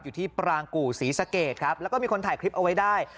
อยู่ที่ปรางกู่ศรีสะเกดครับแล้วก็มีคนถ่ายคลิปเอาไว้ได้